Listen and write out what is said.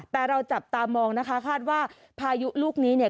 แต่เราจับตามองนะคะคาดว่าพายุลูกนี้เนี่ย